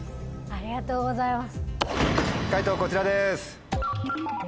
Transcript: ありがとうございます